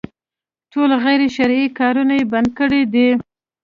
ټول غير شرعي کارونه يې بند کړي دي.